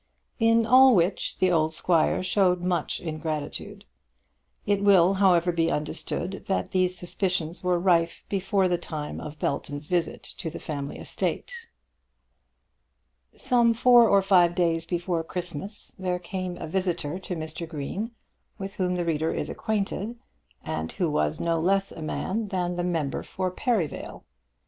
In all which the old squire showed much ingratitude. It will, however, be understood that these suspicions were rife before the time of Belton's visit to the family estate. Some four or five days before Christmas there came a visitor to Mr. Green with whom the reader is acquainted, and who was no less a man than the Member for Perivale.